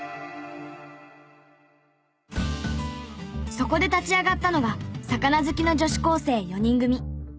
そこで立ち上がったのが魚好きの女子高生４人組。